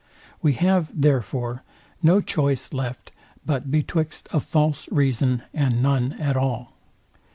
We have, therefore, no choice left but betwixt a false reason and none at all.